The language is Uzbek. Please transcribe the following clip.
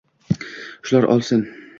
Shu’lalar olsin